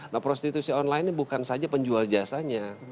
nah prostitusi online ini bukan saja penjual jasanya